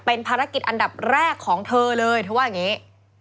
เป็นภารกิจอันดับแรกของเธอเลยเธอว่าอย่างนี้